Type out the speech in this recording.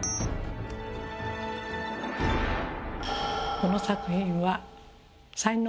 この作品は。